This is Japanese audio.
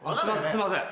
すいません。